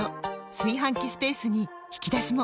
炊飯器スペースに引き出しも！